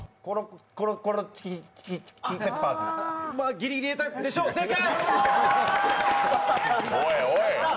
ギリギリ言えたでしょう、正解！